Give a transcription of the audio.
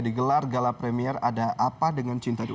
di gelar gala premier ada apa dengan cinta dua